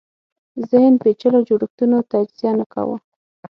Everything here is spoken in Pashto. ذهن پېچلو جوړښتونو تجزیه نه کاوه